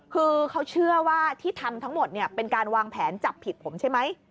คือเขาเชื่อว่าที่ทำทั้งหมดเนี่ยเป็นการวางแผนจับผิดผมใช่ไหม